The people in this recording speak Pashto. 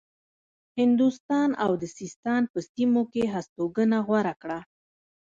هندوستان او د سیستان په سیمو کې هستوګنه غوره کړه.